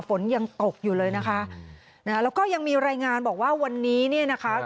ฝนยังตกอยู่เลยนะคะนะฮะแล้วก็ยังมีรายงานบอกว่าวันนี้เนี่ยนะคะ